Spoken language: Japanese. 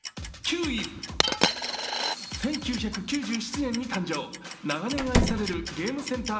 １９９７年に誕生、長年愛されるゲームセンター